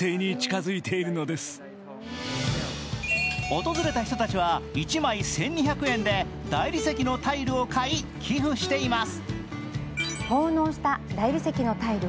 訪れた人たちは１枚１２００円で大理石のタイルを買い寄付しています。